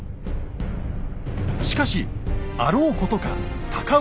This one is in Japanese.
しかしあろうことか高氏が謀反。